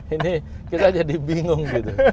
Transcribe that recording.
ini kita jadi bingung gitu